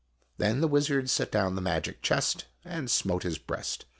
Then the wizard set down the magic chest, and smote his breast.